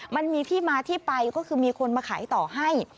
มันมีที่มาที่ไปก็คือมีคนมาขายต่อให้